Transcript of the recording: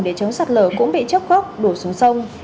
để chống sạt lở cũng bị chấp gốc đổ xuống sông